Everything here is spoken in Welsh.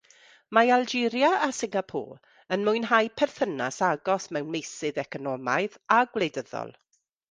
Mae Algeria a Singapore yn mwynhau perthynas agos mewn meysydd economaidd a gwleidyddol.